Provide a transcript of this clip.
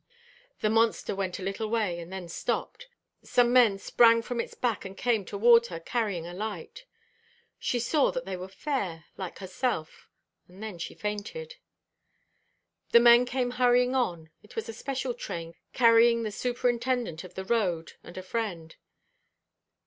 The monster went a little way, and then stopped. Some men sprang from its back and came toward her, carrying a light. She saw that they were fair, like herself, and then she fainted. The men came hurrying on. It was a special train, carrying the superintendent of the road, and a friend.